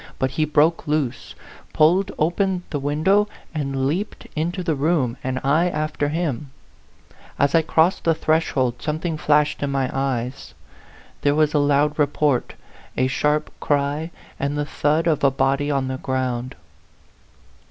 But he broke loose, pulled open, the window, and leaped into the room, and I after him, As I crossed the threshold, something flashed in my eyes; there was a loud report, a sharp cry, and the thud of a body on the ground.